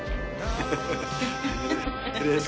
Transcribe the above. ハハハハ。